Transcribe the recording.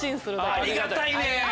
ありがたいねん！